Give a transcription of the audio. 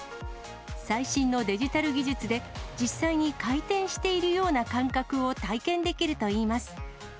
最新のデジタル技術で、実際に回転しているような感覚を体験できるといいます。